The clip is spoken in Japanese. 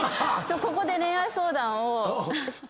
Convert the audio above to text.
ここで恋愛相談をして。